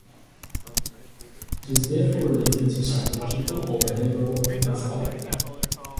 It is therefore related to psychological or behavioral profiling.